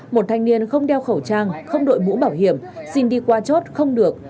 một thanh niên không đeo khẩu trang không đội mũ bảo hiểm xin đi qua chốt không được